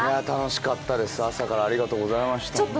楽しかったです、朝からありがとうございました。